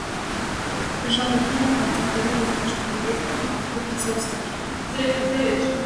Ժանիքները հարձակվելու և թշնամիներից պաշտպանվելու հզոր զենք են։